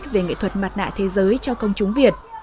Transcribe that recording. về nghệ thuật mặt nạ thế giới cho công chúng việt